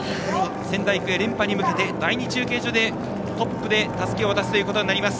仙台育英、連覇に向けて第２中継所でトップでたすきを渡すことになります。